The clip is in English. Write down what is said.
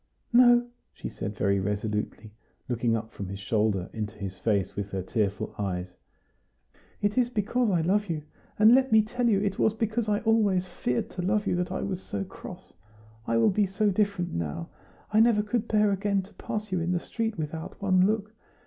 "No!" she said very resolutely, looking up from his shoulder into his face, with her tearful eyes; "it is because I love you; and let me tell you, it was because I always feared to love you that I was so cross. I will be so different now. I never could bear again to pass you in the street without one look!